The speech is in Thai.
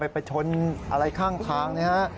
ไฟลุกเผารถไปประชนอะไรข้างทางนะฮะ